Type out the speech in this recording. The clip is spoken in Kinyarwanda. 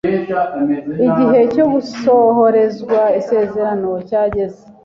igihe cyo gusohorezwa isezerano cyageze